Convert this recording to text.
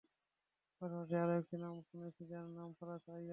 পাশাপাশি আরও একটি নাম আমরা শুনেছি, যার নাম ফারাজ আইয়াজ হোসেন।